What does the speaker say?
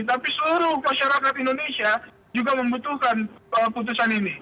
tapi seluruh masyarakat indonesia juga membutuhkan putusan ini